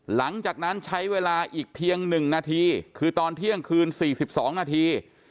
หลังจากนั้นใช้เวลาอีกเพียง๑นาทีคือตอนเที่ยงคืน๔๒นาที